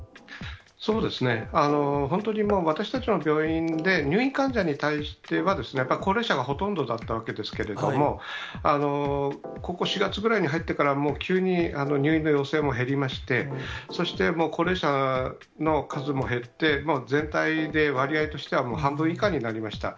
そうですね、本当にもう私たちの病院で、入院患者に対してはやっぱ、高齢者がほとんどだったわけですけれども、ここ４月ぐらいに入ってから、もう、急に入院の要請も減りまして、そして、高齢者の数も減って、全体で割合としてはもう半分以下になりました。